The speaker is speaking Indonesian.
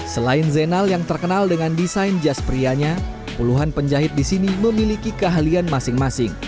selain zainal yang terkenal dengan desain jas prianya puluhan penjahit di sini memiliki keahlian masing masing